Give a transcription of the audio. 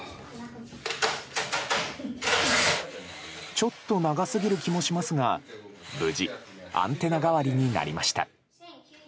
ちょっと長すぎる気もしますが無事アンテナ代わりになりました。